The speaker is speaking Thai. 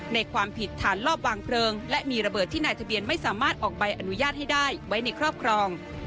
ความผิดฐานลอบวางเพลิงและมีระเบิดที่นายทะเบียนไม่สามารถออกใบอนุญาตให้ได้ไว้ในครอบครอง